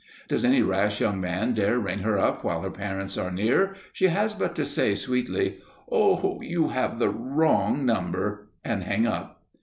Does any rash young man dare ring her up while her parents are near, she has but to say, sweetly, "Oh, you have the wrong number!" and hang up.